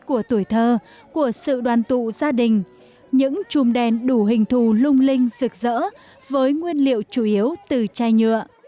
của tuổi thơ của sự đoàn tụ gia đình những chùm đèn đủ hình thù lung linh sực dỡ với nguyên liệu chủ yếu từ chai nhựa